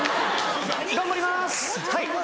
頑張りますはい！